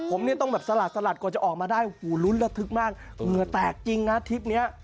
ผมเนี่ยต้องแบบสลัดสลัดกว่าจะออกมาได้โอ้โหลุ้นระทึกมากเหงื่อแตกจริงนะทริปเนี้ย